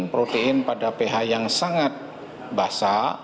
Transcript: protein pada ph yang sangat basah